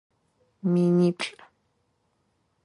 Миниплӏ.